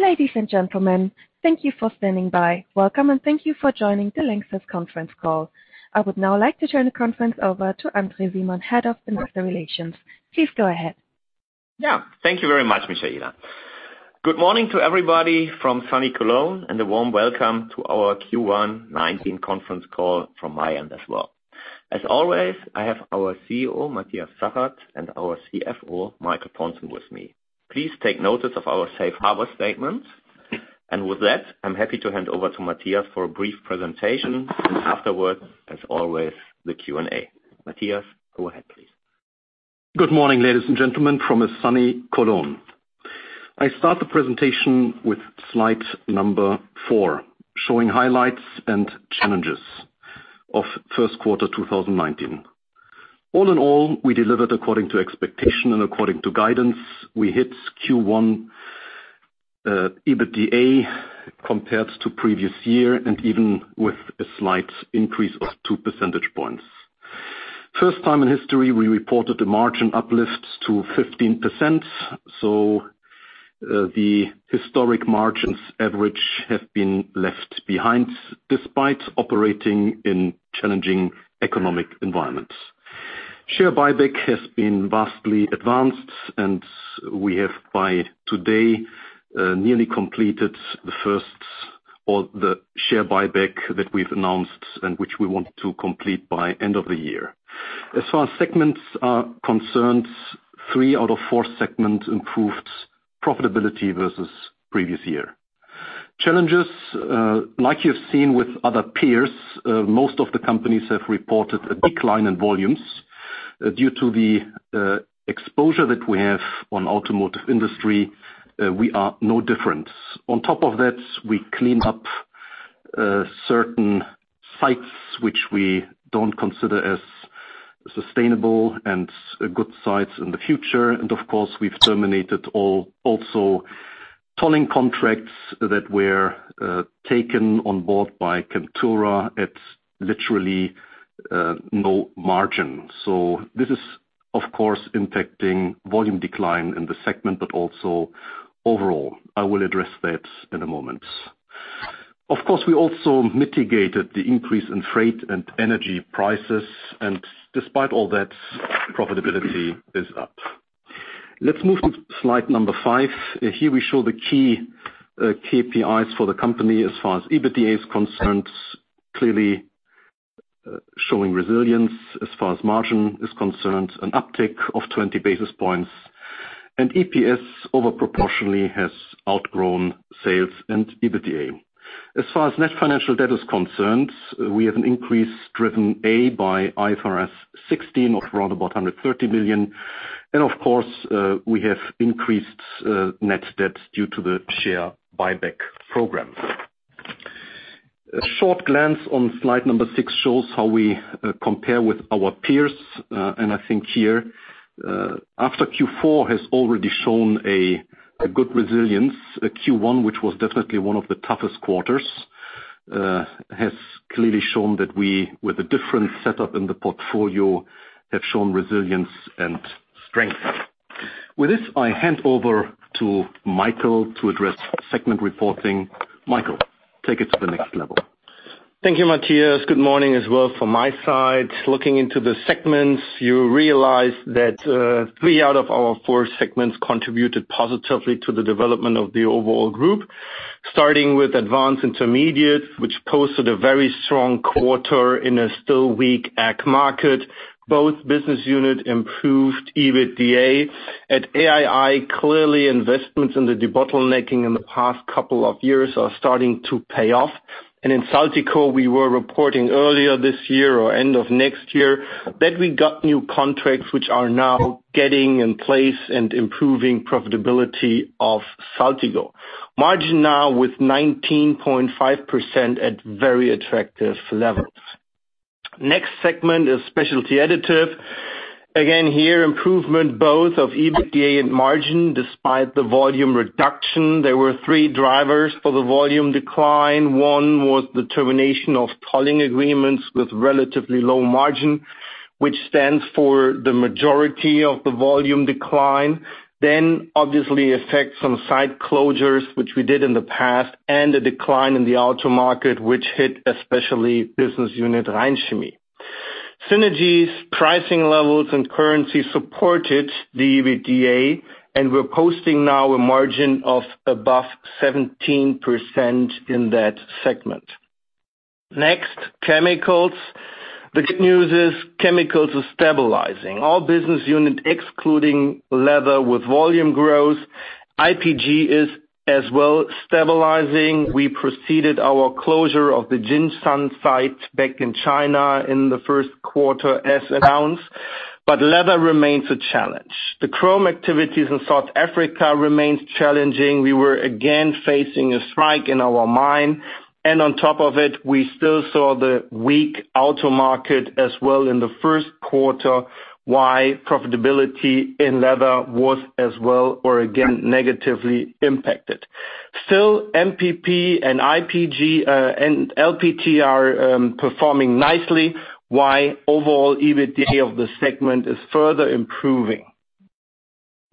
Ladies and gentlemen, thank you for standing by. Welcome, and thank you for joining the Lanxess conference call. I would now like to turn the conference over to André Wiemann, Head of Investor Relations. Please go ahead. Yeah. Thank you very much, Michaela. Good morning to everybody from sunny Cologne, and a warm welcome to our Q1 2019 conference call from my end as well. As always, I have our CEO, Matthias Zachert, and our CFO, Michael Pontzen, with me. Please take notice of our safe harbor statement. With that, I am happy to hand over to Matthias for a brief presentation, and afterwards, as always, the Q&A. Matthias, go ahead, please. Good morning, ladies and gentlemen, from a sunny Cologne. I start the presentation with slide number four, showing highlights and challenges of first quarter 2019. All in all, we delivered according to expectation and according to guidance. We hit Q1 EBITDA compared to previous year, and even with a slight increase of two percentage points. First time in history, we reported a margin uplift to 15%. The historic margins average have been left behind, despite operating in challenging economic environments. Share buyback has been vastly advanced, and we have, by today, nearly completed the first of the share buyback that we have announced and which we want to complete by end of the year. As far as segments are concerned, three out of four segments improved profitability versus previous year. Challenges, like you have seen with other peers, most of the companies have reported a decline in volumes. Due to the exposure that we have on automotive industry, we are no different. On top of that, we clean up certain sites which we do not consider as sustainable and good sites in the future. Of course, we have terminated also tolling contracts that were taken on board by Chemtura at literally no margin. This is, of course, impacting volume decline in the segment, but also overall. I will address that in a moment. Of course, we also mitigated the increase in freight and energy prices, despite all that, profitability is up. Let us move to slide number five. Here we show the key KPIs for the company as far as EBITDA is concerned. Clearly, showing resilience as far as margin is concerned, an uptick of 20 basis points. EPS over proportionally has outgrown sales and EBITDA. As far as net financial debt is concerned, we have an increase driven, A, by IFRS 16 of around 130 million. Of course, we have increased net debt due to the share buyback program. A short glance on slide number 6 shows how we compare with our peers. I think here, after Q4 has already shown a good resilience, Q1, which was definitely one of the toughest quarters, has clearly shown that we, with a different setup in the portfolio, have shown resilience and strength. With this, I hand over to Michael to address segment reporting. Michael, take it to the next level. Thank you, Matthias. Good morning as well from my side. Looking into the segments, you realize that three out of our four segments contributed positively to the development of the overall group. Starting with Advanced Intermediates, which posted a very strong quarter in a still weak ag market. Both business unit improved EBITDA. At AII, clearly investments in the debottlenecking in the past couple of years are starting to pay off. In Saltigo, we were reporting earlier this year or end of next year that we got new contracts which are now getting in place and improving profitability of Saltigo. Margin now with 19.5% at very attractive levels. Next segment is Specialty Additives. Again, here, improvement both of EBITDA and margin, despite the volume reduction. There were three drivers for the volume decline. One was the termination of tolling agreements with relatively low margin, which stands for the majority of the volume decline. Obviously, effects from site closures, which we did in the past, and a decline in the auto market, which hit especially business unit Rhein Chemie. Synergies, pricing levels, and currency supported the EBITDA, and we're posting now a margin of above 17% in that segment. Next, Chemicals. The good news is Chemicals is stabilizing. All business unit, excluding Leather with volume growth. IPG is as well stabilizing. We proceeded our closure of the Jinshan site back in China in the first quarter as announced, Leather remains a challenge. The chrome activities in South Africa remains challenging. We were again facing a strike in our mine. On top of it, we still saw the weak auto market as well in the first quarter, why profitability in Leather was as well, or again, negatively impacted. MPP and IPG and LPT are performing nicely, while overall EBITDA of the segment is further improving.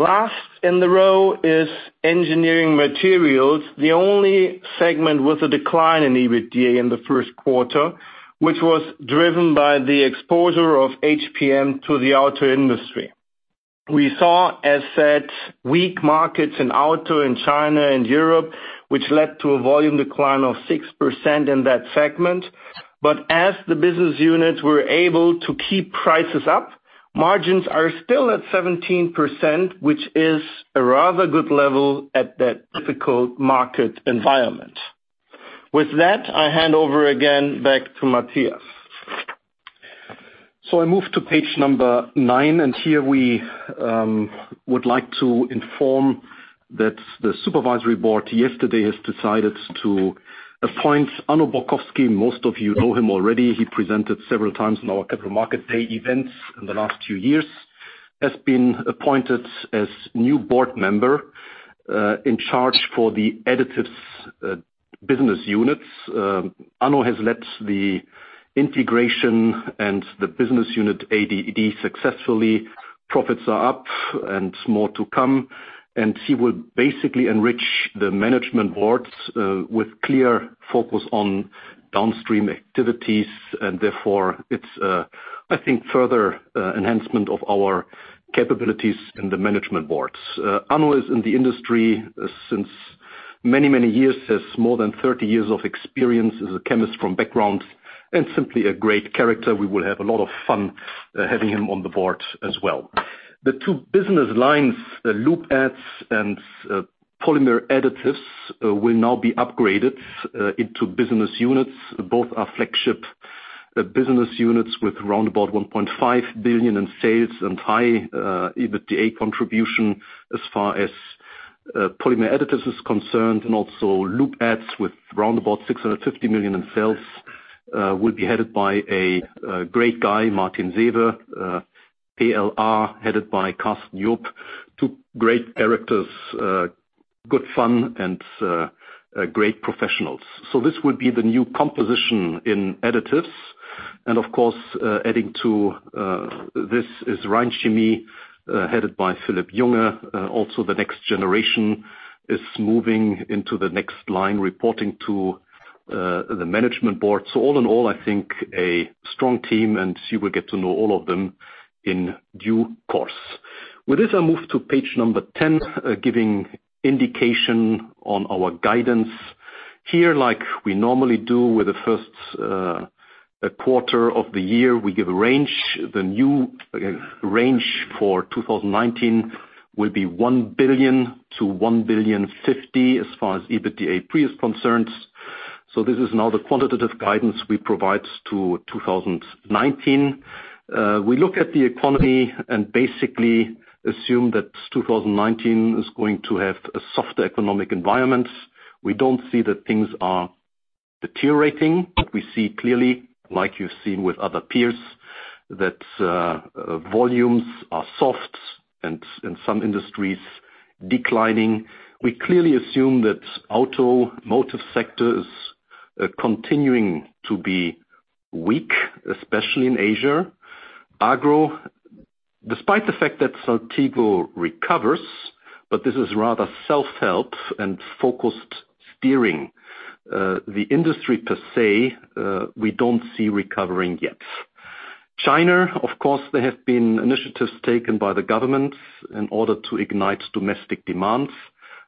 Last in the row is Engineering Materials. The only segment with a decline in EBITDA in the first quarter, which was driven by the exposure of HPM to the auto industry. We saw, as said, weak markets in auto in China and Europe, which led to a volume decline of 6% in that segment. As the business units were able to keep prices up, margins are still at 17%, which is a rather good level at that difficult market environment. With that, I hand over again back to Matthias. I move to page number nine, and here we would like to inform that the supervisory board yesterday has decided to appoint Anno Borkowsky. Most of you know him already. He presented several times in our capital market day events in the last few years, has been appointed as new board member in charge for the Additives business units. Anno has led the integration and the business unit ADD successfully. Profits are up and more to come, he will basically enrich the management boards with clear focus on downstream activities, therefore it's, I think, further enhancement of our capabilities in the management boards. Anno is in the industry since many, many years, has more than 30 years of experience as a chemist from background and simply a great character. We will have a lot of fun having him on the board as well. The two business lines, Lubricant Additives and Polymer Additives, will now be upgraded into business units. Both are flagship business units with roundabout 1.5 billion in sales and high EBITDA contribution as far as Polymer Additives is concerned. Lubricant Additives with roundabout 650 million in sales, will be headed by a great guy, Martin Saewe. PLR, headed by Karsten Job, two great characters, good fun and great professionals. This would be the new composition in Additives. Of course, adding to this is Rhein Chemie, headed by Philipp Junge. Also the next generation is moving into the next line reporting to the management board. All in all, I think a strong team and you will get to know all of them in due course. With this, I move to page number 10, giving indication on our guidance. Here, like we normally do with the first quarter of the year, we give a range. The new range for 2019 will be 1 billion to 1,000,000,050 as far as EBITDA pre is concerned. This is now the quantitative guidance we provide to 2019. We look at the economy and basically assume that 2019 is going to have a softer economic environment. We don't see that things are deteriorating. We see clearly, like you've seen with other peers, that volumes are soft and in some industries declining. We clearly assume that automotive sector is continuing to be weak, especially in Asia. Agro, despite the fact that Saltigo recovers, this is rather self-help and focused steering. The industry per se, we don't see recovering yet. China, of course, there have been initiatives taken by the government in order to ignite domestic demands.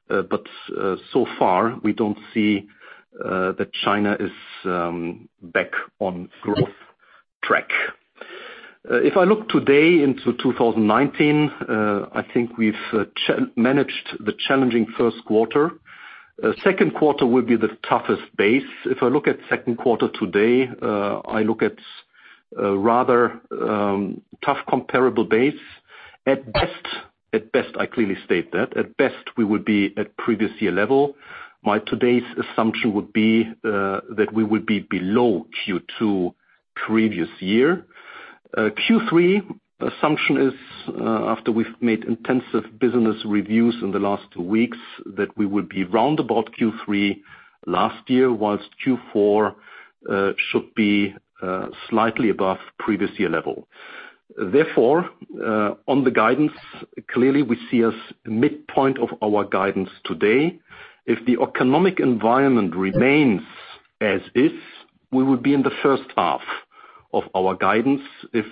So far, we don't see that China is back on growth track. If I look today into 2019, I think we've managed the challenging first quarter. Second quarter will be the toughest base. If I look at second quarter today, I look at a rather tough comparable base. At best, I clearly state that, at best, we will be at previous year level. My today's assumption would be that we would be below Q2 previous year. Q3 assumption is, after we've made intensive business reviews in the last two weeks, that we would be roundabout Q3 last year, whilst Q4 should be slightly above previous year level. On the guidance, clearly we see as midpoint of our guidance today. If the economic environment remains as is, we would be in the first half of our guidance. If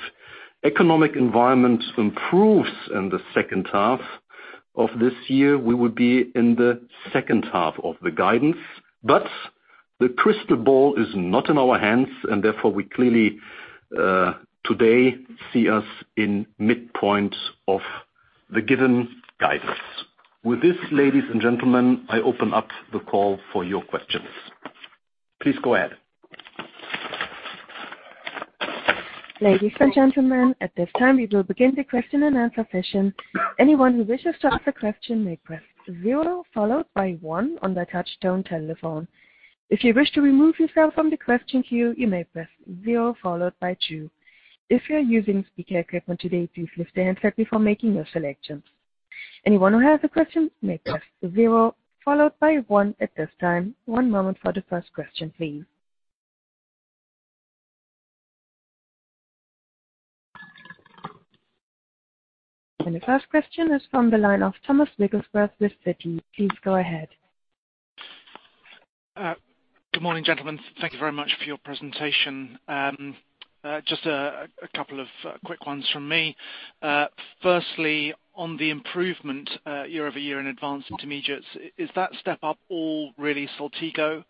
economic environment improves in the second half of this year, we would be in the second half of the guidance. The crystal ball is not in our hands and therefore we clearly today see us in midpoint of the given guidance. With this, ladies and gentlemen, I open up the call for your questions. Please go ahead. Ladies and gentlemen, at this time, we will begin the question and answer session. Anyone who wishes to ask a question may press zero followed by one on their touchtone telephone. If you wish to remove yourself from the question queue, you may press zero followed by two. If you're using speaker equipment today, please lift the handset before making your selection. Anyone who has a question may press zero followed by one at this time. One moment for the first question, please. The first question is from the line of Thomas Wrigglesworth with Citi. Please go ahead. Good morning, gentlemen. Thank you very much for your presentation. Just a couple of quick ones from me. Firstly, on the improvement year-over-year in Advanced Intermediates, is that step up all really Saltigo?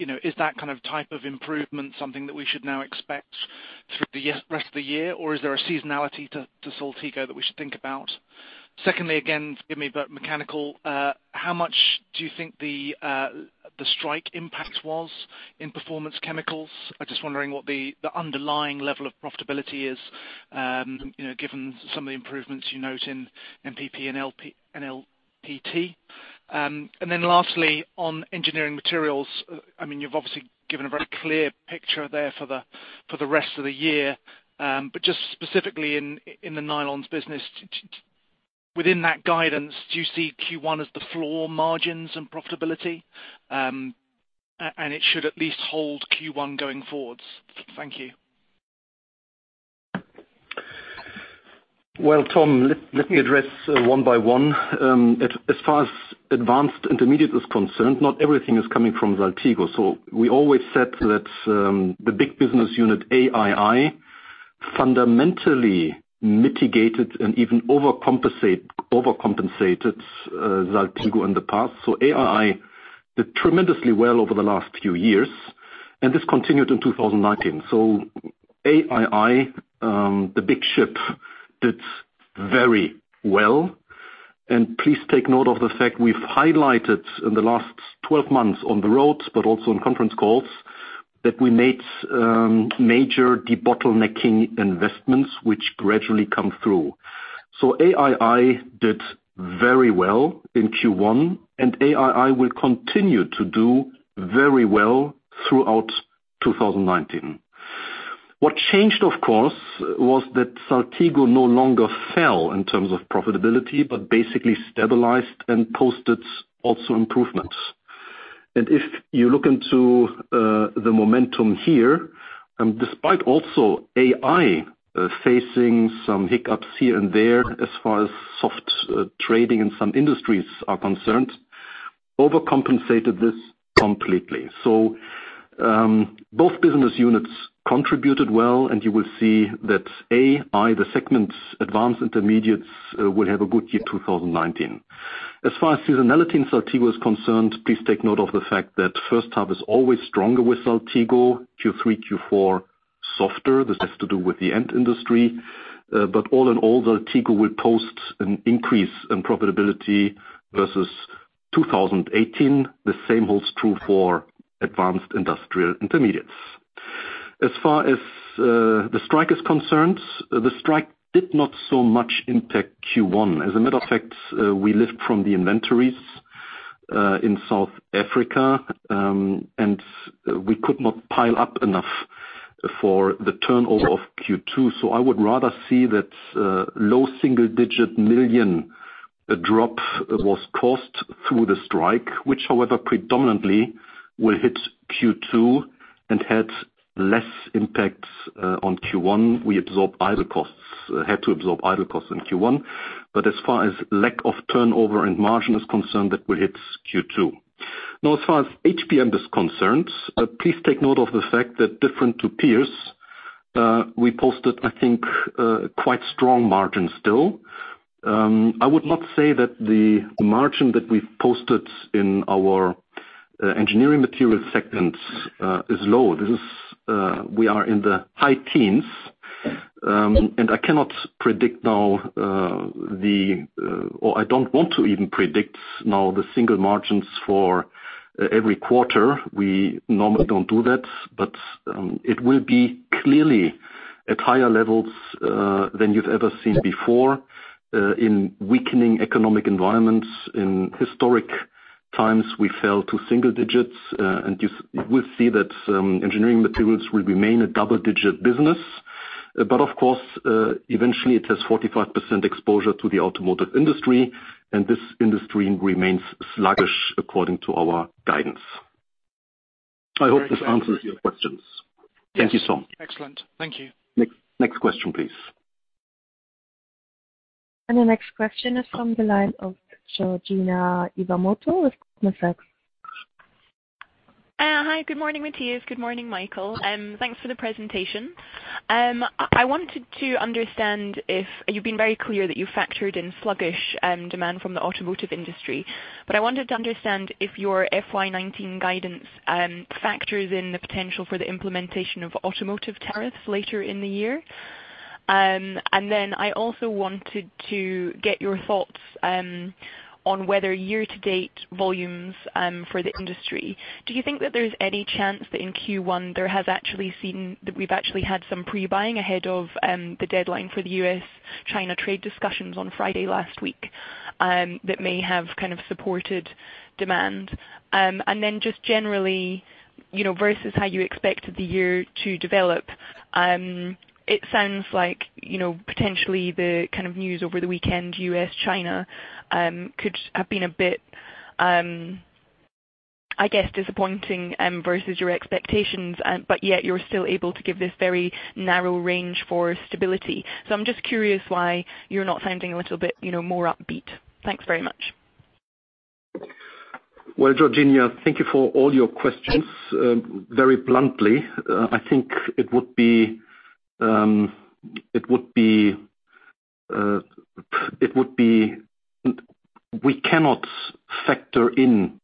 Is that type of improvement something that we should now expect through the rest of the year? Or is there a seasonality to Saltigo that we should think about? Secondly, again, forgive me, mechanical. How much do you think the strike impact was in Performance Chemicals? I'm just wondering what the underlying level of profitability is, given some of the improvements you note in MPP and LPT. Lastly, on Engineering Materials, you've obviously given a very clear picture there for the rest of the year. Just specifically in the nylons business, within that guidance, do you see Q1 as the floor margins and profitability? It should at least hold Q1 going forwards. Thank you. Well, Tom, let me address one by one. As far as Advanced Intermediates is concerned, not everything is coming from Saltigo. We always said that the big business unit, AII, fundamentally mitigated and even overcompensated Saltigo in the past. AII did tremendously well over the last few years, and this continued in 2019. AII, the big ship, did very well. Please take note of the fact we've highlighted in the last 12 months on the roads, but also on conference calls that we made major debottlenecking investments, which gradually come through. AII did very well in Q1, and AII will continue to do very well throughout 2019. What changed, of course, was that Saltigo no longer fell in terms of profitability, but basically stabilized and posted also improvements. If you look into the momentum here, despite also AII facing some hiccups here and there as far as soft trading in some industries are concerned, overcompensated this completely. Both business units contributed well, and you will see that AII, the segments Advanced Intermediates, will have a good year 2019. As far as seasonality in Saltigo is concerned, please take note of the fact that first half is always stronger with Saltigo, Q3, Q4 softer. This has to do with the end industry. All in all, Saltigo will post an increase in profitability versus 2018. The same holds true for Advanced Intermediates. As far as the strike is concerned, the strike did not so much impact Q1. As a matter of fact, we lived from the inventories in South Africa, and we could not pile up enough for the turnover of Q2. I would rather see that low single-digit million drop was caused through the strike, which, however, predominantly will hit Q2 and had less impact on Q1. We had to absorb idle costs in Q1, but as far as lack of turnover and margin is concerned, that will hit Q2. As far as HPM is concerned, please take note of the fact that different to peers, we posted, I think, quite strong margins still. I would not say that the margin that we've posted in our Engineering Materials segment is low. We are in the high teens. I cannot predict now, or I don't want to even predict now the single margins for every quarter. We normally don't do that, but it will be clearly at higher levels than you've ever seen before in weakening economic environments. In historic times, we fell to single digits. You will see that Engineering Materials will remain a double-digit business. Of course, eventually it has 45% exposure to the automotive industry, and this industry remains sluggish according to our guidance. I hope this answers your questions. Thank you. Thank you so much. Excellent. Thank you. Next question, please. The next question is from the line of Georgina Iwamoto with Goldman Sachs. Hi, good morning, Matthias. Good morning, Michael. Thanks for the presentation. I wanted to understand if you've been very clear that you factored in sluggish demand from the automotive industry. I wanted to understand if your FY 2019 guidance factors in the potential for the implementation of automotive tariffs later in the year. I also wanted to get your thoughts on whether year-to-date volumes for the industry, do you think that there's any chance that in Q1, we've actually had some pre-buying ahead of the deadline for the U.S.-China trade discussions on Friday last week. That may have supported demand. Just generally, versus how you expected the year to develop, it sounds like potentially the news over the weekend, U.S., China could have been a bit disappointing versus your expectations, but yet you're still able to give this very narrow range for stability. I'm just curious why you're not sounding a little bit more upbeat. Thanks very much. Well, Georgina, thank you for all your questions. Very bluntly, I think we cannot factor in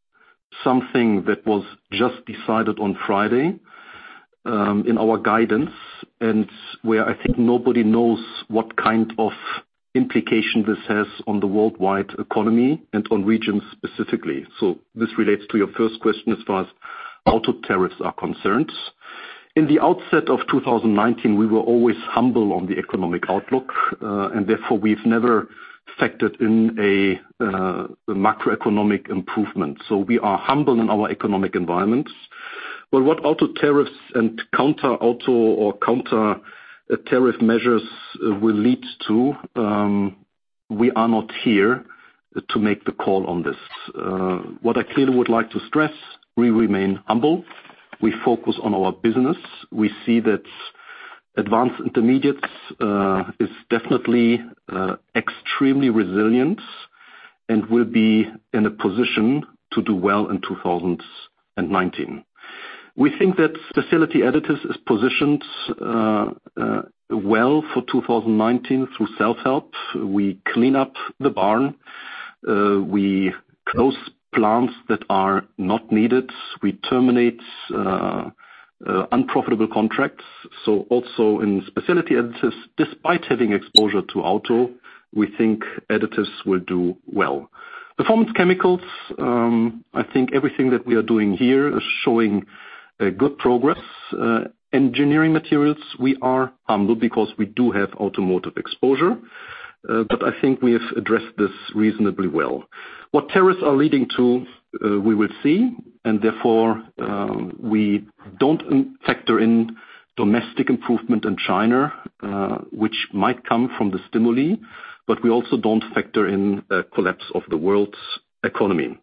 something that was just decided on Friday in our guidance and where I think nobody knows what kind of implication this has on the worldwide economy and on regions specifically. This relates to your first question as far as auto tariffs are concerned. In the outset of 2019, we were always humble on the economic outlook, and therefore we've never factored in a macroeconomic improvement. We are humble in our economic environments. What auto tariffs and counter auto or counter tariff measures will lead to, we are not here to make the call on this. What I clearly would like to stress, we remain humble. We focus on our business. We see that Advanced Intermediates is definitely extremely resilient and will be in a position to do well in 2019. We think that Specialty Additives is positioned well for 2019 through self-help. We clean up the barn. We close plants that are not needed. We terminate unprofitable contracts. Also in Specialty Additives, despite having exposure to auto, we think additives will do well. Performance Chemicals. I think everything that we are doing here is showing a good progress. Engineering Materials, we are humble because we do have automotive exposure, but I think we have addressed this reasonably well. What tariffs are leading to, we will see, and therefore we don't factor in domestic improvement in China, which might come from the stimuli, but we also don't factor in a collapse of the world's economy.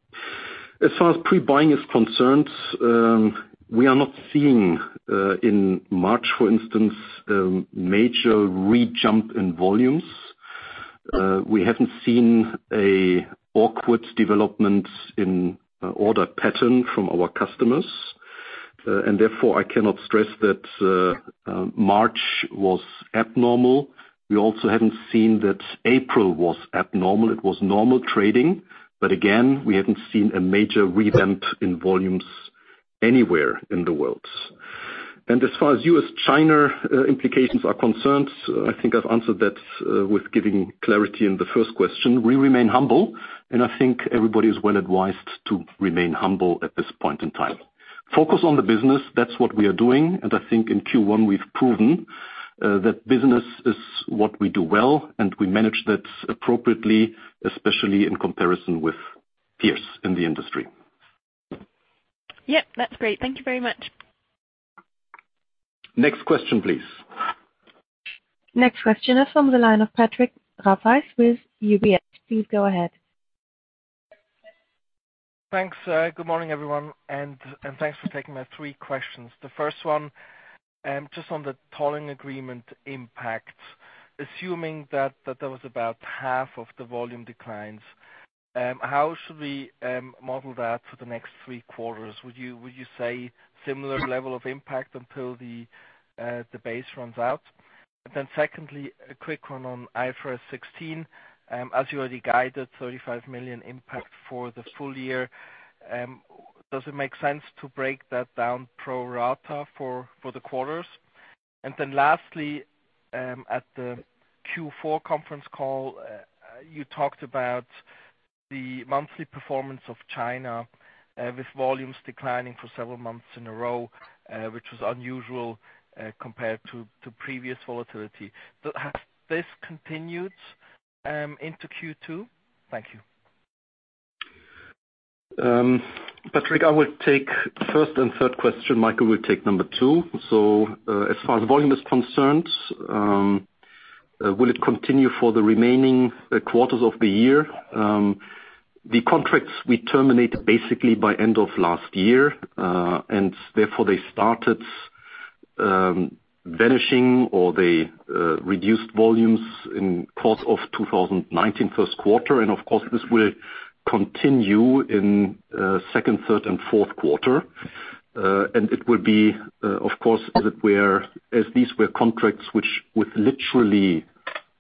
As far as pre-buying is concerned, we are not seeing in March, for instance, major re-jump in volumes. We haven't seen an awkward development in order pattern from our customers, and therefore I cannot stress that March was abnormal. We also haven't seen that April was abnormal. It was normal trading. Again, we haven't seen a major re-jump in volumes anywhere in the world. As far as U.S., China implications are concerned, I think I've answered that with giving clarity in the first question. We remain humble, and I think everybody is well advised to remain humble at this point in time. Focus on the business, that's what we are doing. I think in Q1 we've proven that business is what we do well, and we manage that appropriately, especially in comparison with peers in the industry. Yep, that's great. Thank you very much. Next question, please. Next question is from the line of Patrick Rafaisz with UBS. Please go ahead. Thanks. Good morning, everyone, and thanks for taking my three questions. The first one, just on the tolling agreement impact. Assuming that that was about half of the volume declines, how should we model that for the next three quarters? Secondly, a quick one on IFRS 16. As you already guided 35 million impact for the full year, does it make sense to break that down pro rata for the quarters? Lastly, at the Q4 conference call, you talked about the monthly performance of China with volumes declining for several months in a row, which was unusual compared to previous volatility. Has this continued into Q2? Thank you. Patrick, I will take first and third question. Michael will take number two. As far as volume is concerned, will it continue for the remaining quarters of the year? The contracts we terminated basically by end of last year, and therefore they started vanishing or they reduced volumes in course of 2019 first quarter and of course this will continue in second, third and fourth quarter. It will be, of course, as these were contracts which with literally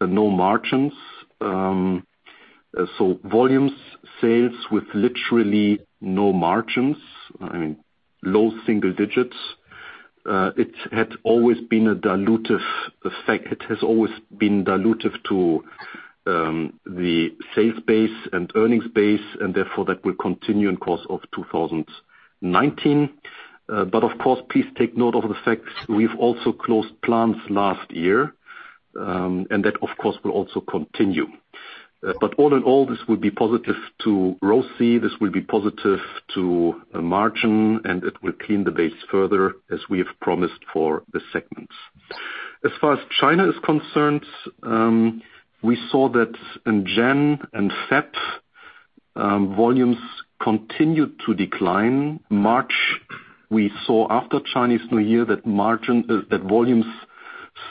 no margins. Volumes sales with literally no margins, I mean low single digits. It has always been dilutive to the sales base and earnings base, and therefore that will continue in course of 2019. Of course, please take note of the fact we've also closed plants last year, and that, of course, will also continue. All in all, this will be positive to ROCE, this will be positive to the margin, and it will clean the base further as we have promised for the segments. As far as China is concerned, we saw that in Jan and Feb, volumes continued to decline. March, we saw after Chinese New Year that volumes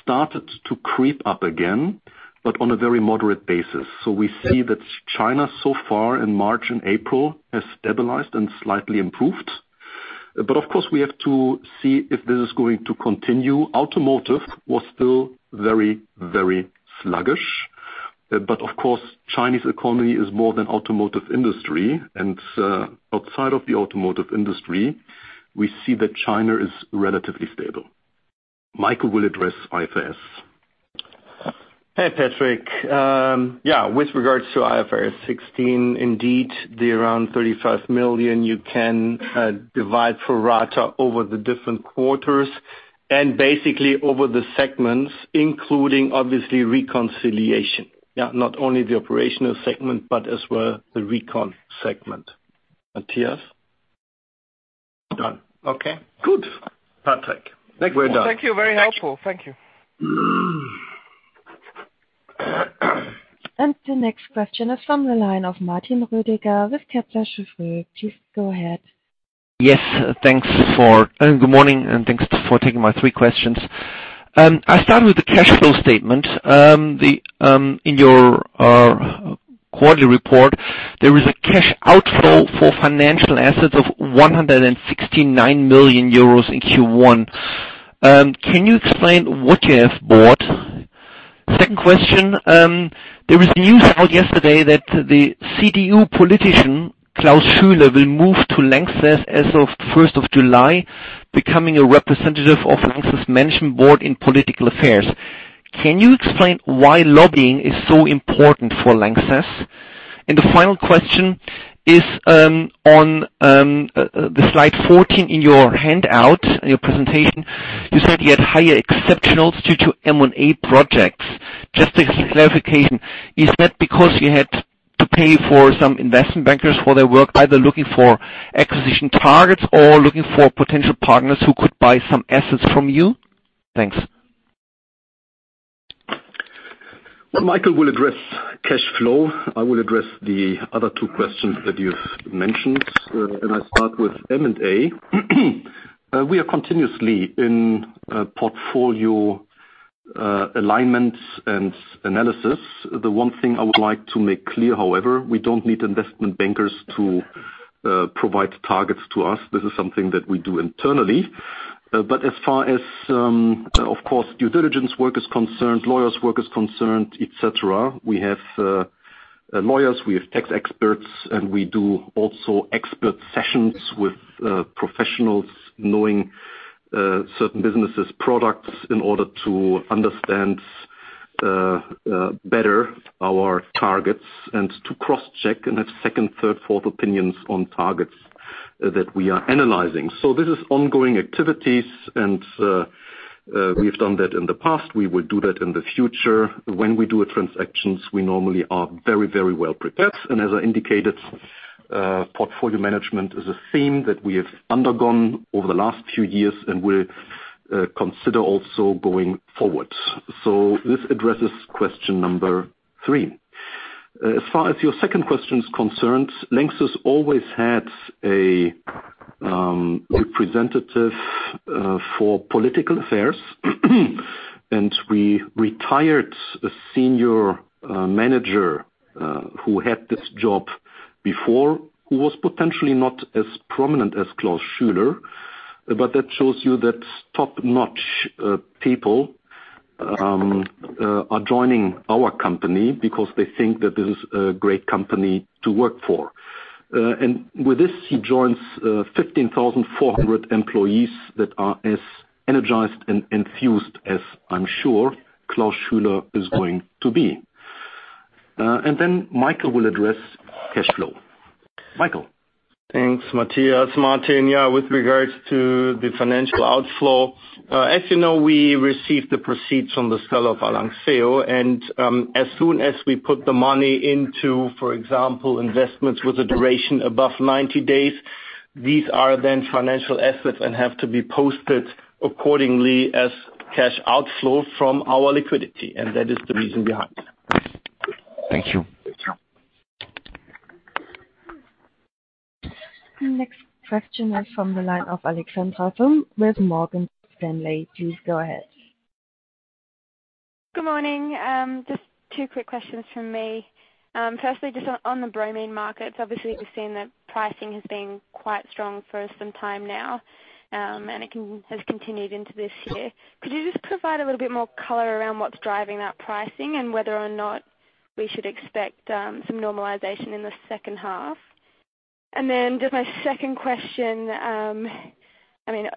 started to creep up again, but on a very moderate basis. We see that China so far in March and April has stabilized and slightly improved. Of course, we have to see if this is going to continue. Automotive was still very, very sluggish. Of course, Chinese economy is more than automotive industry. Outside of the automotive industry, we see that China is relatively stable. Michael will address IFRS. Hey, Patrick. With regards to IFRS 16, indeed, the around 35 million you can divide pro rata over the different quarters and basically over the segments, including obviously reconciliation. Not only the operational segment, but as well the recon segment. Matthias? Done. Okay. Good. Patrick. We're done. Thank you. Very helpful. Thank you. The next question is from the line of Martin Roediger with Kepler Cheuvreux. Please go ahead. Yes, thanks for Good morning, and thanks for taking my three questions. I'll start with the cash flow statement. In your quarterly report, there is a cash outflow for financial assets of 169 million euros in Q1. Can you explain what you have bought? Second question, there was news out yesterday that the CDU politician, Klaus Schüler, will move to Lanxess as of 1st of July, becoming a representative of Lanxess Management Board in political affairs. Can you explain why lobbying is so important for Lanxess? The final question is, on the slide 14 in your handout, in your presentation, you said you had higher exceptionals due to M&A projects. Just a clarification, is that because you had to pay for some investment bankers for their work, either looking for acquisition targets or looking for potential partners who could buy some assets from you? Thanks. Well, Michael will address cash flow. I will address the other two questions that you've mentioned, and I'll start with M&A. We are continuously in portfolio alignment and analysis. The one thing I would like to make clear, however, we don't need investment bankers to provide targets to us. This is something that we do internally. As far as due diligence work is concerned, lawyers work is concerned, et cetera, we have lawyers, we have tax experts, and we do also expert sessions with professionals knowing certain businesses' products in order to understand better our targets and to cross-check and have second, third, fourth opinions on targets that we are analyzing. This is ongoing activities, and we have done that in the past. We will do that in the future. When we do transactions, we normally are very, very well prepared. As I indicated, portfolio management is a theme that we have undergone over the last few years and will consider also going forward. This addresses question number three. As far as your second question is concerned, Lanxess always had a representative for political affairs, and we retired a senior manager who had this job before, who was potentially not as prominent as Klaus Schüler, but that shows you that top-notch people are joining our company because they think that this is a great company to work for. With this, he joins 15,400 employees that are as energized and infused as I'm sure Klaus Schüler is going to be. Then Michael will address cash flow. Michael. Thanks, Matthias. Martin, with regards to the financial outflow, as you know, we received the proceeds from the sale of ARLANXEO. As soon as we put the money into, for example, investments with a duration above 90 days, these are then financial assets and have to be posted accordingly as cash outflow from our liquidity, that is the reason behind. Thank you. The next question is from the line of Alexandra Wilson-Elizondo with Morgan Stanley. Please go ahead. Good morning. Just two quick questions from me. Firstly, just on the bromine markets. Obviously, we've seen that pricing has been quite strong for some time now, and it has continued into this year. Could you just provide a little bit more color around what's driving that pricing and whether or not we should expect some normalization in the second half? My second question: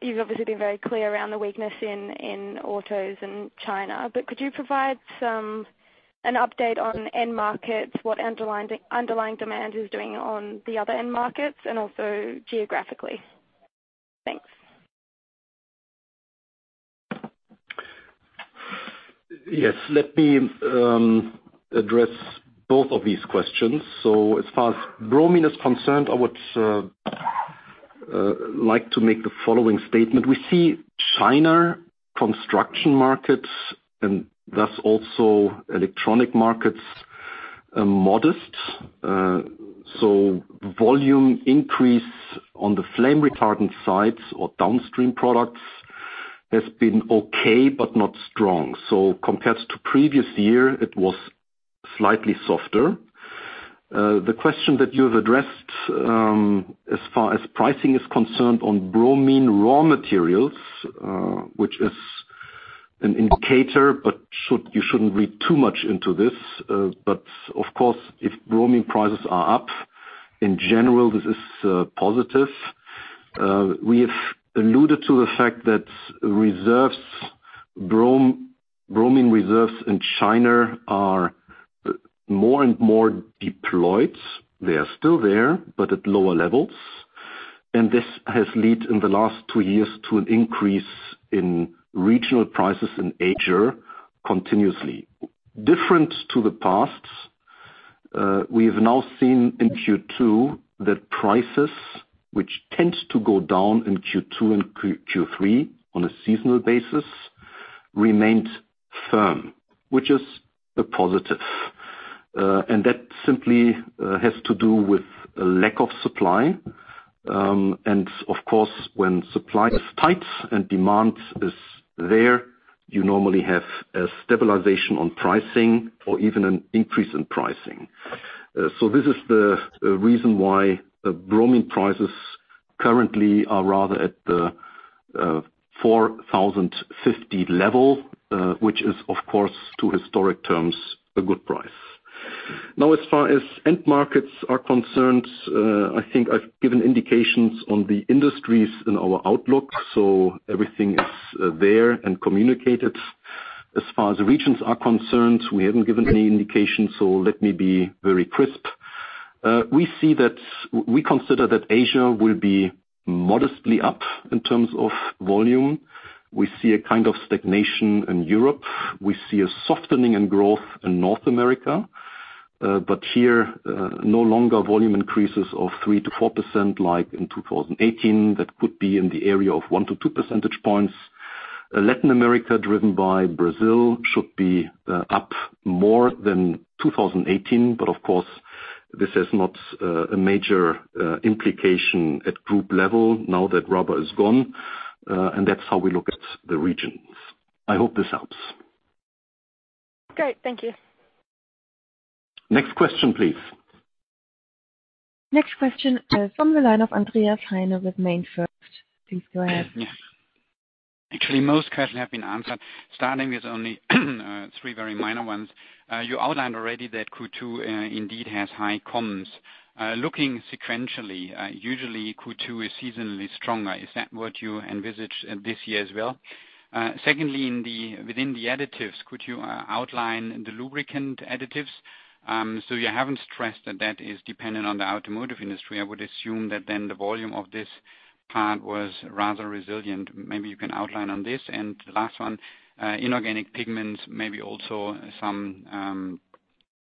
You've obviously been very clear around the weakness in autos in China, but could you provide an update on end markets, what underlying demand is doing on the other end markets, and also geographically? Thanks. Yes. Let me address both of these questions. As far as bromine is concerned, I would like to make the following statement. We see China construction markets, and thus also electronic markets, modest. Volume increase on the flame retardant sides or downstream products has been okay, but not strong. Compared to previous year, it was slightly softer. The question that you've addressed as far as pricing is concerned on bromine raw materials, which is an indicator, but you shouldn't read too much into this. Of course, if bromine prices are up, in general, this is positive. We have alluded to the fact that bromine reserves in China are more and more deployed. They are still there, but at lower levels. This has led, in the last two years, to an increase in regional prices in Asia continuously. Different to the past, we have now seen in Q2 that prices, which tend to go down in Q2 and Q3 on a seasonal basis, remained firm, which is a positive. That simply has to do with a lack of supply. Of course, when supply is tight and demand is there, you normally have a stabilization on pricing or even an increase in pricing. This is the reason why the bromine prices currently are rather at the 4,050 level, which is of course, to historic terms, a good price. As far as end markets are concerned, I think I've given indications on the industries in our outlook, everything is there and communicated. As far as regions are concerned, we haven't given any indication, let me be very crisp. We consider that Asia will be modestly up in terms of volume. We see a kind of stagnation in Europe. We see a softening in growth in North America. Here, no longer volume increases of 3% to 4% like in 2018. That could be in the area of 1 to 2 percentage points. Latin America, driven by Brazil, should be up more than 2018. Of course, this has not a major implication at group level now that rubber is gone. That's how we look at the regions. I hope this helps. Great. Thank you. Next question, please. Next question is from the line of Andreas Heine with MainFirst. Please go ahead. Actually, most questions have been answered, starting with only three very minor ones. You outlined already that Q2 indeed has high comms. Looking sequentially, usually Q2 is seasonally stronger. Is that what you envisage this year as well? Secondly, within the Additives, could you outline the Lubricant Additives? You haven't stressed that that is dependent on the automotive industry. I would assume that then the volume of this part was rather resilient. Maybe you can outline on this. The last one, Inorganic Pigments, maybe also some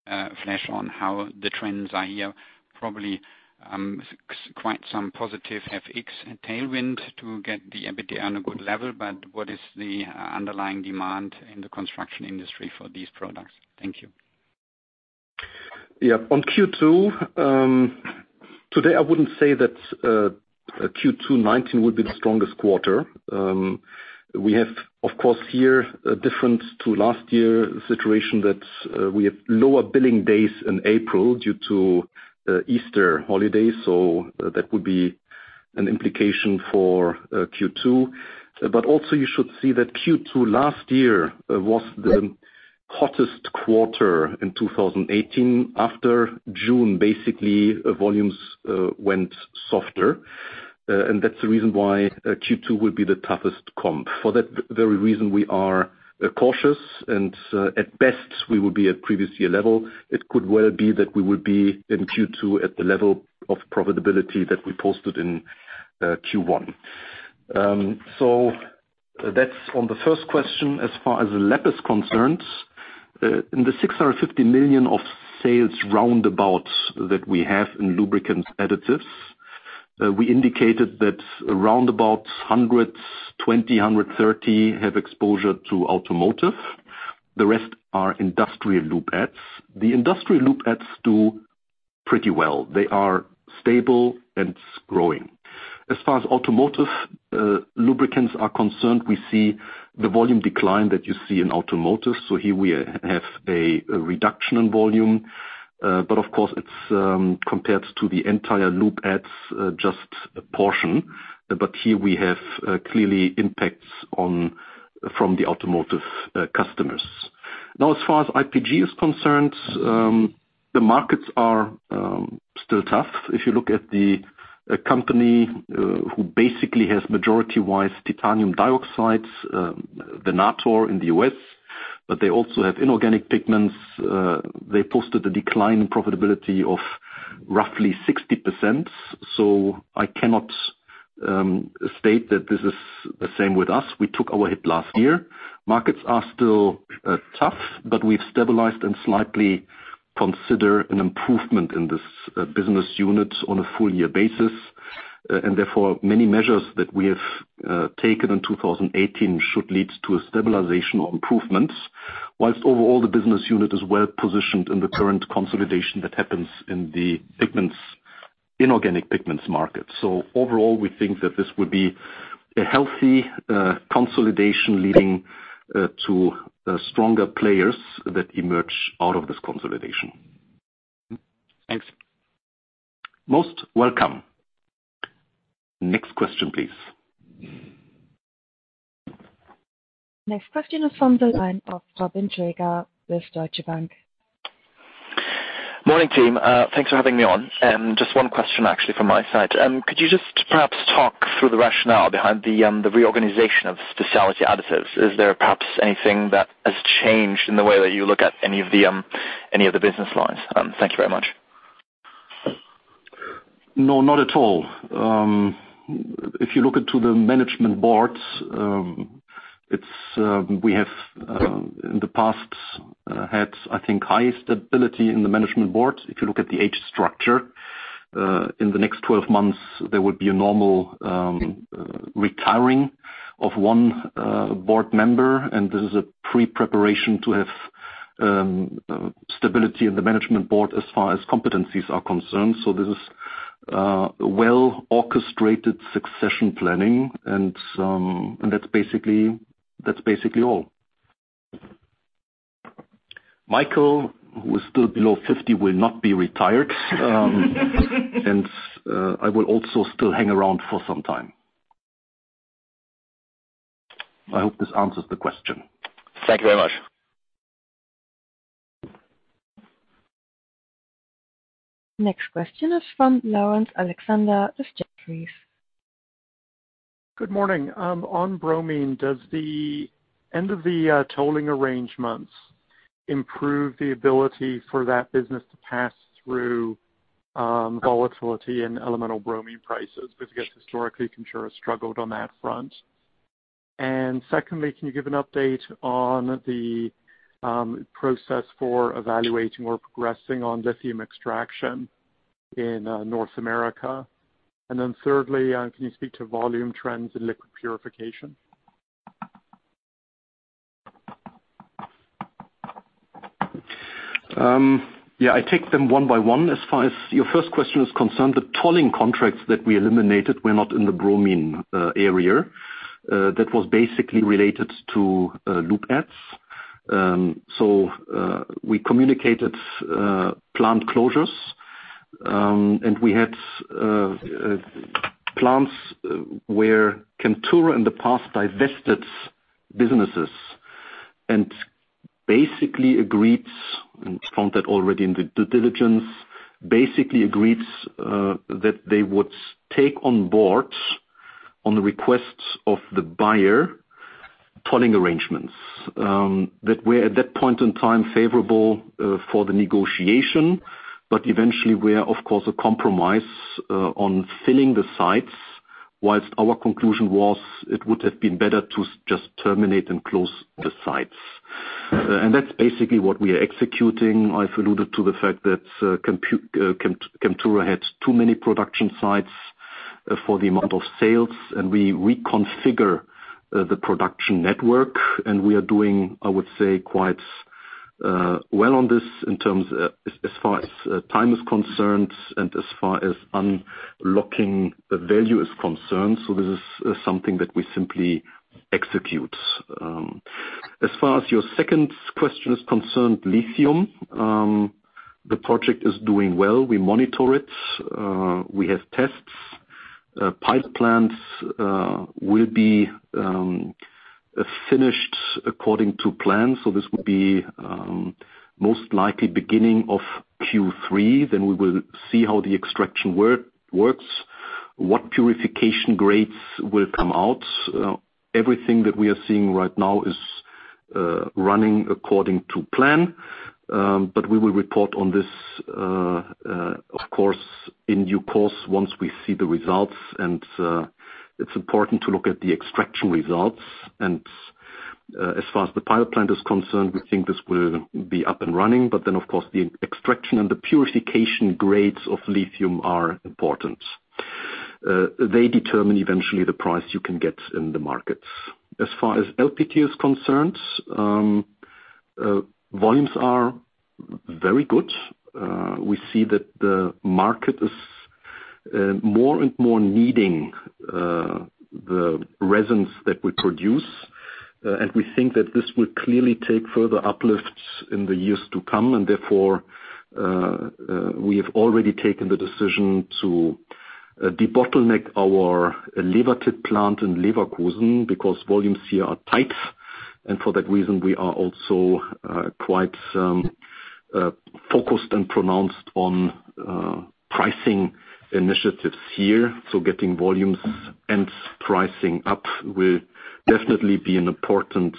flash on how the trends are here. Probably quite some positive FX tailwind to get the EBITDA on a good level. What is the underlying demand in the construction industry for these products? Thank you. Yeah. On Q2, today I wouldn't say that Q2 2019 would be the strongest quarter. We have, of course, here a different to last year situation that we have lower billing days in April due to the Easter holiday, so that would be an implication for Q2. You should see that Q2 last year was the hottest quarter in 2018. After June, basically, volumes went softer. That's the reason why Q2 will be the toughest comp. For that very reason, we are cautious and at best, we will be at previous year level. It could well be that we will be in Q2 at the level of profitability that we posted in Q1. That's on the first question. As far as the lap is concerned, in the 650 million of sales round about that we have in lubricants additives, we indicated that round about 120, 130 have exposure to automotive. The rest are industrial lube adds. The industrial lube adds do pretty well. They are stable and growing. As far as automotive lubricants are concerned, we see the volume decline that you see in automotive. Here we have a reduction in volume. Of course, it's compared to the entire lube adds, just a portion. Here we have clearly impacts from the automotive customers. As far as IPG is concerned, the markets are still tough. If you look at the company who basically has majority-wise titanium dioxide, Venator in the U.S., but they also have Inorganic Pigments. They posted a decline in profitability of roughly 60%. I cannot state that this is the same with us. We took our hit last year. Markets are still tough, but we've stabilized and slightly consider an improvement in this business unit on a full year basis. Many measures that we have taken in 2018 should lead to a stabilization or improvements, whilst overall the business unit is well-positioned in the current consolidation that happens in the Inorganic Pigments market. Overall, we think that this would be a healthy consolidation leading to stronger players that emerge out of this consolidation. Thanks. Most welcome. Next question, please. Next question is from the line of Robin Treger with Deutsche Bank. Morning, team. Thanks for having me on. Just one question, actually, from my side. Could you just perhaps talk through the rationale behind the reorganization of Specialty Additives? Is there perhaps anything that has changed in the way that you look at any of the business lines? Thank you very much. No, not at all. If you look into the management boards, we have in the past had, I think, highest stability in the management board. If you look at the age structure, in the next 12 months, there would be a normal retiring of one board member, this is a pre-preparation to have stability in the management board as far as competencies are concerned. This is a well-orchestrated succession planning. That's basically all. Michael, who is still below 50, will not be retired. I will also still hang around for some time. I hope this answers the question. Thank you very much. Next question is from Laurence Alexander with Jefferies. Good morning. On bromine, does the end of the tolling arrangements improve the ability for that business to pass through volatility in elemental bromine prices? I guess historically, Chemtura struggled on that front. Secondly, can you give an update on the process for evaluating or progressing on lithium extraction in North America? Thirdly, can you speak to volume trends in liquid purification? Yeah, I take them one by one. As far as your first question is concerned, the tolling contracts that we eliminated were not in the bromine area. That was basically related to Lubricant Additives. We communicated plant closures, and we had plants where Chemtura in the past divested businesses and basically agreed, and found that already in the due diligence, basically agreed that they would take on board on the requests of the buyer tolling arrangements. That were at that point in time favorable for the negotiation, but eventually were, of course, a compromise on filling the sites, whilst our conclusion was it would have been better to just terminate and close the sites. That's basically what we are executing. I've alluded to the fact that Chemtura had too many production sites for the amount of sales. We reconfigure the production network, and we are doing, I would say, quite well on this in terms as far as time is concerned and as far as unlocking the value is concerned. This is something that we simply execute. As far as your second question is concerned, lithium. The project is doing well. We monitor it. We have tests. Pilot plants will be finished according to plan. This would be most likely beginning of Q3. We will see how the extraction works, what purification grades will come out. Everything that we are seeing right now is running according to plan. We will report on this, of course, in due course once we see the results. It's important to look at the extraction results. As far as the pilot plant is concerned, we think this will be up and running. Of course, the extraction and the purification grades of lithium are important. They determine eventually the price you can get in the markets. As far as LPT is concerned, volumes are very good. We see that the market is more and more needing the resins that we produce. We think that this will clearly take further uplifts in the years to come. We have already taken the decision to bottleneck our Leverkusen plant in Leverkusen, because volumes here are tight. For that reason, we are also quite focused and pronounced on pricing initiatives here. Getting volumes and pricing up will definitely be an important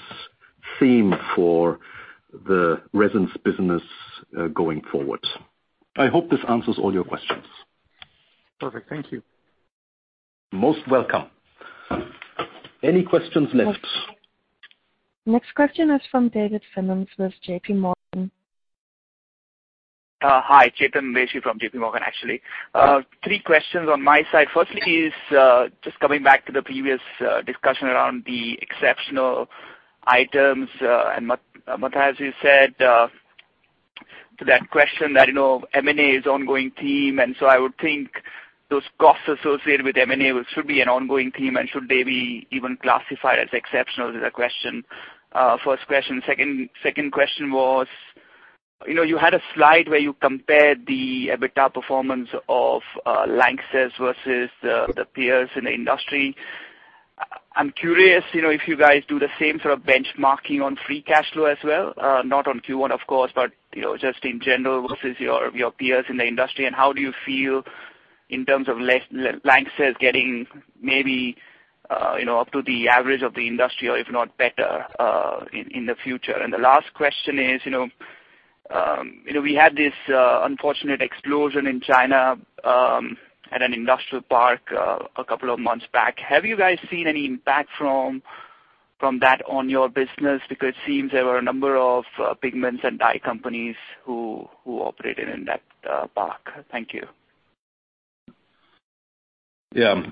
theme for the resins business going forward. I hope this answers all your questions. Perfect. Thank you. Most welcome. Any questions left? Next question is from David Finnis with JPMorgan. Hi, Chetan Udeshi from JPMorgan. Three questions on my side. Firstly is just coming back to the previous discussion around the exceptional items, Matthias, you said to that question that M&A is ongoing theme, so I would think those costs associated with M&A should be an ongoing theme and should they be even classified as exceptional is the question. First question. Second question was, you had a slide where you compared the EBITDA performance of Lanxess versus the peers in the industry. I'm curious, if you guys do the same sort of benchmarking on free cash flow as well, not on Q1, of course, but just in general versus your peers in the industry. How do you feel in terms of Lanxess getting maybe, up to the average of the industry or if not better, in the future. The last question is, we had this unfortunate explosion in China at an industrial park a couple of months back. Have you guys seen any impact from that on your business? It seems there were a number of pigments and dye companies who operated in that park. Thank you.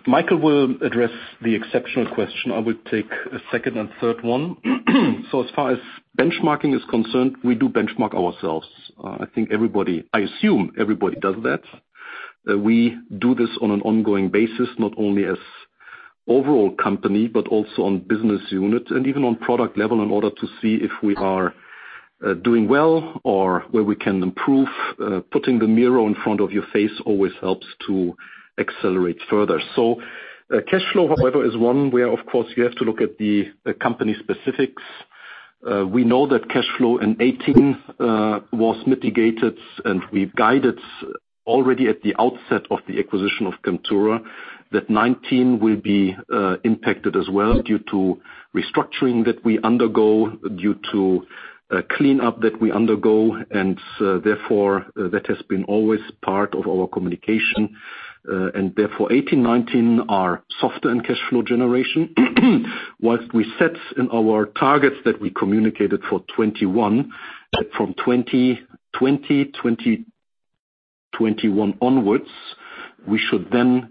Michael will address the exceptional question. I would take the second and third one. As far as benchmarking is concerned, we do benchmark ourselves. I assume everybody does that. We do this on an ongoing basis, not only as overall company, but also on business unit and even on product level in order to see if we are doing well or where we can improve. Putting the mirror in front of your face always helps to accelerate further. Cash flow, however, is one where of course you have to look at the company specifics. We know that cash flow in 2018 was mitigated and we've guided already at the outset of the acquisition of Chemtura that 2019 will be impacted as well due to restructuring that we undergo, due to cleanup that we undergo. Therefore, that has been always part of our communication. Therefore 2018, 2019 are softer in cash flow generation. Whilst we set in our targets that we communicated for 2021, that from 2020, 2021 onwards, we should then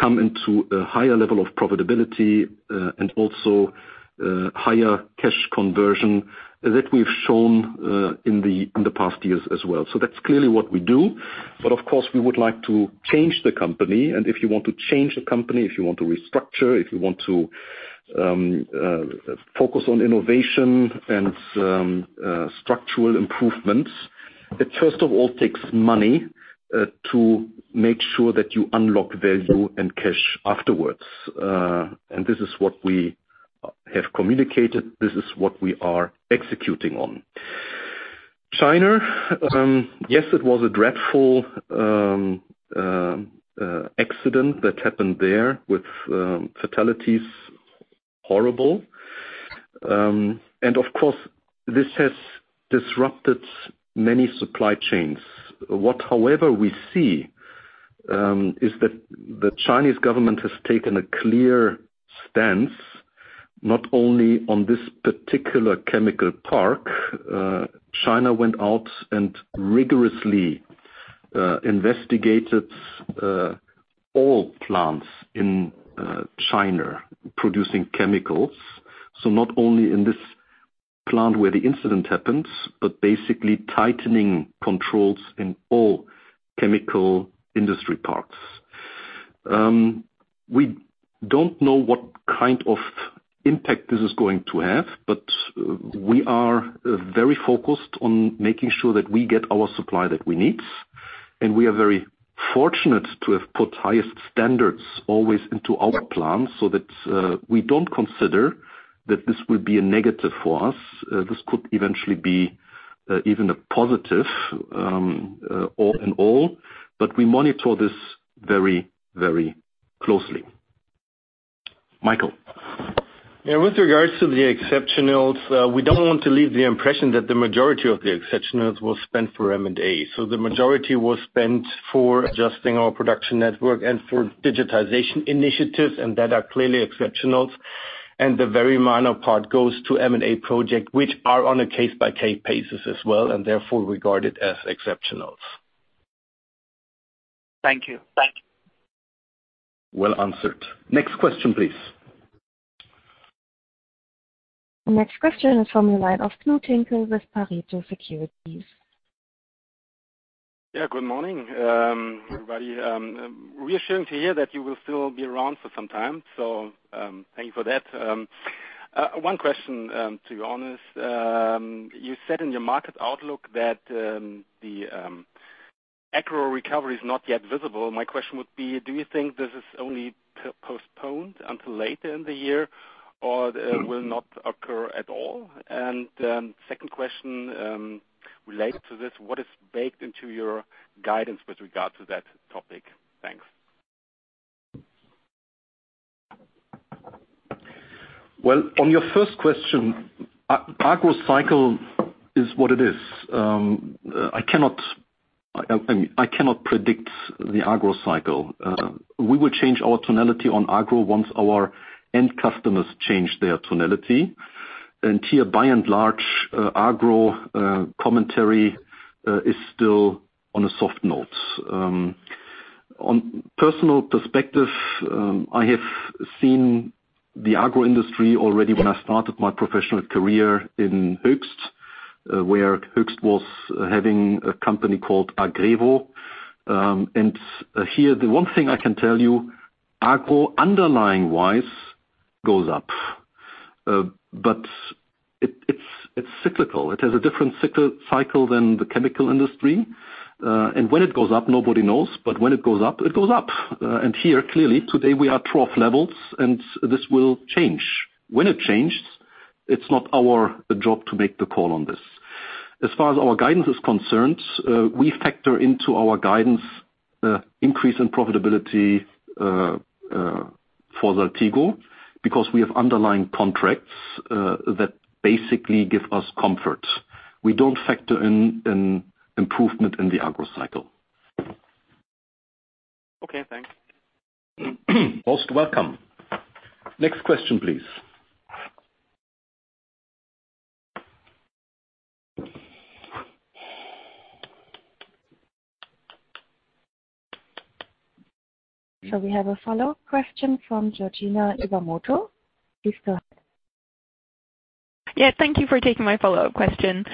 come into a higher level of profitability and also higher cash conversion that we've shown in the past years as well. That's clearly what we do. Of course we would like to change the company and if you want to change the company, if you want to restructure, if you want to focus on innovation and structural improvements, it first of all takes money to make sure that you unlock value and cash afterwards. This is what we have communicated. This is what we are executing on. China. Yes, it was a dreadful accident that happened there with fatalities. Horrible. Of course this has disrupted many supply chains. What however we see is that the Chinese government has taken a clear stance, not only on this particular chemical park. China went out and rigorously investigated all plants in China producing chemicals. Not only in this plant where the incident happens, but basically tightening controls in all chemical industry parks. We don't know what kind of impact this is going to have, but we are very focused on making sure that we get our supply that we need. We are very fortunate to have put highest standards always into our plant so that we don't consider that this will be a negative for us. This could eventually be even a positive all in all. We monitor this very closely. Michael. Yeah, with regards to the exceptionals, we don't want to leave the impression that the majority of the exceptionals was spent for M&A. The majority was spent for adjusting our production network and for digitization initiatives, and that are clearly exceptionals. The very minor part goes to M&A project, which are on a case-by-case basis as well, and therefore regarded as exceptionals. Thank you. Well answered. Next question, please. The next question is from the line of Georgina Iwamoto with Pareto Securities. Good morning everybody. Reassuring to hear that you will still be around for some time. Thank you for that. One question to be honest. You said in your market outlook that the agro recovery is not yet visible. My question would be, do you think this is only postponed until later in the year or will not occur at all? Second question related to this, what is baked into your guidance with regard to that topic? Thanks. Well, on your first question, agro cycle is what it is. I cannot predict the agro cycle. We will change our tonality on agro once our end customers change their tonality. Here, by and large, agro commentary is still on a soft note. On personal perspective, I have seen the agro industry already when I started my professional career in Hoechst AG, where Hoechst AG was having a company called AgrEvo. Here, the one thing I can tell you, agro underlying-wise goes up. It's cyclical. It has a different cycle than the chemical industry. When it goes up, nobody knows. When it goes up, it goes up. Here, clearly, today, we are trough levels and this will change. When it changes, it's not our job to make the call on this. As far as our guidance is concerned, we factor into our guidance increase in profitability for Saltigo because we have underlying contracts that basically give us comfort. We don't factor in improvement in the agro cycle. Okay, thanks. Most welcome. Next question, please. We have a follow-up question from Georgina Iwamoto. Please go ahead. Thank you for taking my follow-up question.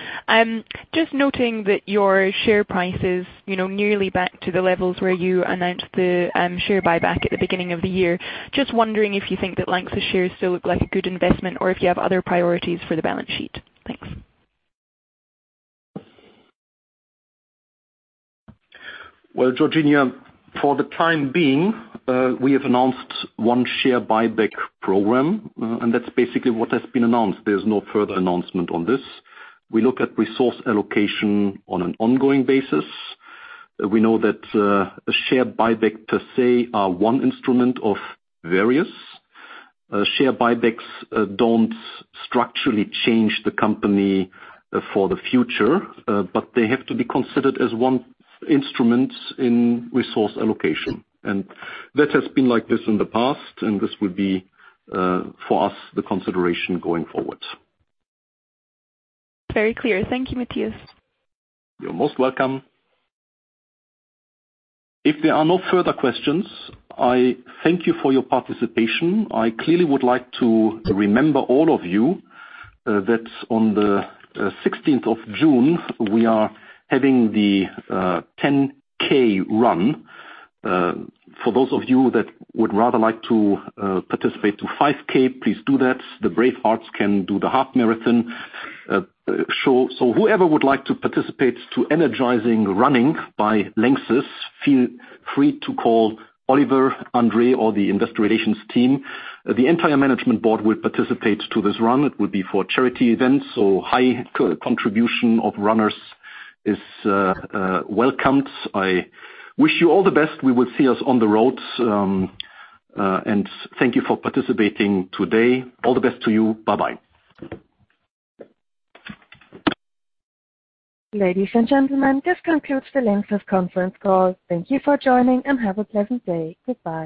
Just noting that your share price is nearly back to the levels where you announced the share buyback at the beginning of the year. Just wondering if you think that Lanxess shares still look like a good investment or if you have other priorities for the balance sheet. Thanks. Well, Georgina, for the time being, we have announced one share buyback program, that's basically what has been announced. There's no further announcement on this. We look at resource allocation on an ongoing basis. We know that a share buyback per se are one instrument of various. Share buybacks don't structurally change the company for the future. They have to be considered as one instrument in resource allocation. That has been like this in the past, and this would be, for us, the consideration going forward. Very clear. Thank you, Matthias. You're most welcome. If there are no further questions, I thank you for your participation. I clearly would like to remember all of you that on the 16th of June, we are having the 10K run. For those of you that would rather like to participate to 5K, please do that. The brave hearts can do the half marathon. Whoever would like to participate to energizing running by Lanxess, feel free to call Oliver, André, or the investor relations team. The entire management board will participate to this run. It would be for charity event, so high contribution of runners is welcomed. I wish you all the best. We will see us on the roads. Thank you for participating today. All the best to you. Bye-bye. Ladies and gentlemen, this concludes the Lanxess conference call. Thank you for joining, and have a pleasant day. Goodbye.